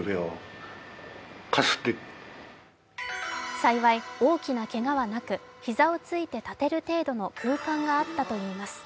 幸い大きなけがはなく膝をついて立てる程度の空間があったといいます。